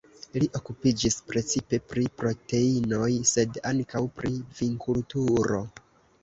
Li okupiĝis precipe pri proteinoj, sed ankaŭ pri vinkulturo.